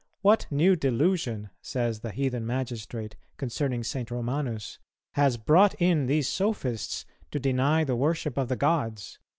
"What new delusion," says the heathen magistrate concerning St. Romanus, "has brought in these sophists to deny the worship of the gods?